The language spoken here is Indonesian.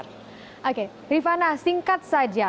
oke rifana singkat saja